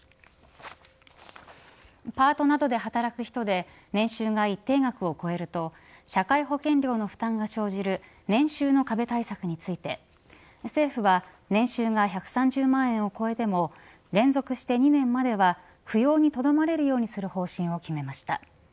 パートなどで働く人で年収が一定額を超えると社会保険料の負担が生じる年収の壁対策について政府は年収が１３０万円を超えても連続して２年までは扶養にとどまれるようにする方針を決めました。